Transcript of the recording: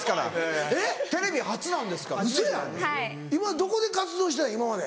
どこで活動してたん今まで。